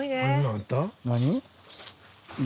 何？